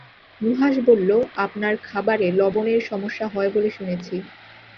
নুহাশ বলল, আপনার খাবারে লবণের সমস্যা হয় বলে শুনেছি।